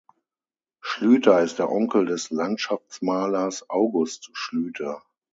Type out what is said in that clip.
Schlüter ist der Onkel des Landschaftsmalers August Schlüter.